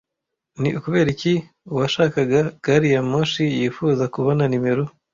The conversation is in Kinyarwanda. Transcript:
Ni ukubera iki uwashakaga gari ya moshi yifuza kubona nimero